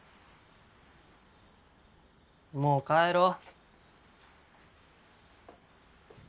もう帰ろ？